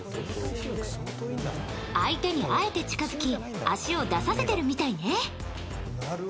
相手にあえて近づき足を出させてるみたいね。